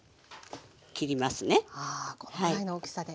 あこのぐらいの大きさで。